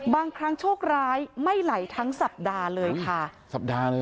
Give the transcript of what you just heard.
บางครั้งโชคร้ายไม่ไหลทั้งสัปดาห์เลยค่ะ